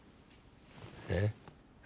えっ？